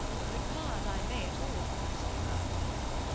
The card I may at all events offer."